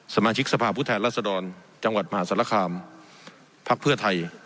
สมาชิกสภาพผู้แทนรัศดรจังหวัดมหาศาลคามพักเพื่อไทย